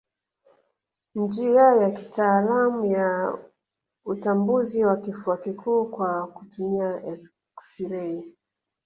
Njia ya kitaalamu ya utambuzi wa kifua kikuu kwa kutumia eksirei